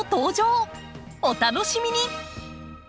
お楽しみに！